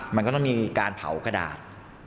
มันก็ต้องมีการเผากระดาษ